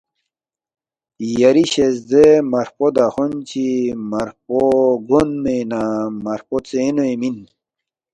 یری شزدے مارفو دخون چی مارفو گونمے نہ مارفو ژینُوی مِن